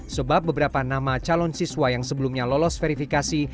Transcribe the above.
sebab beberapa nama calon siswa yang sebelumnya lolos verifikasi